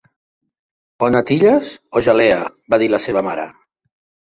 "O natilles, o gelea", va dir la seva mare.